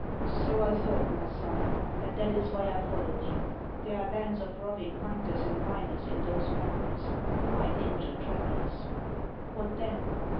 " So I thought, iny son, and that is why I followed you. There are bands of roving hunters and miners in those mountains who might injure travellers." "What then?"